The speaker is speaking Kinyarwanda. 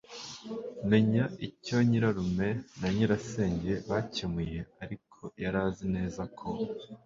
menya icyo nyirarume na nyirasenge bakemuye ariko yari azi neza ko